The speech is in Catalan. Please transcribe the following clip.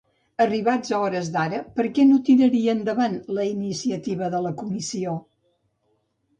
Arribats a hores d'ara, per què no tiraria endavant la iniciativa de la Comissió?